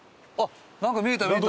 なんか見えた見えた！